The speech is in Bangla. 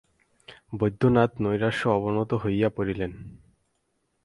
বৈদ্যনাথ নৈরাশ্যে অবনত হইয়া পড়িলেন।